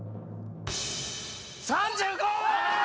⁉３５！